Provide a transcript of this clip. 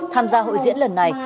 tham gia hội diễn lần này